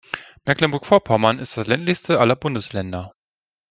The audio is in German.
Mecklenburg-Vorpommern ist das ländlichste aller Bundesländer.